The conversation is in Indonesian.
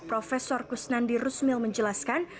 profesor kusnandi rusmil menjelaskan